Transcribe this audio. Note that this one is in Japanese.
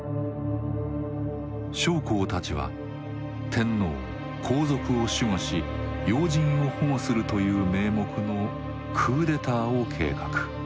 将校たちは天皇皇族を守護し要人を保護するという名目のクーデターを計画。